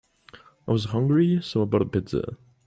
I was hungry, so I bought a pizza.